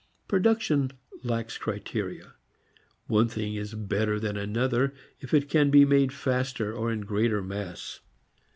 Production lacks criteria; one thing is better than another if it can be made faster or in greater mass.